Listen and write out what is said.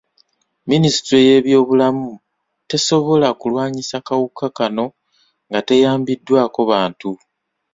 Minisitule y'ebyobulamu tesobola kulwanyisa kawuka kano nga teyambiddwako bantu.